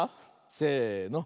せの。